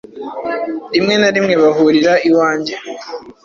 rimwe na rimwe bahurira iwanjye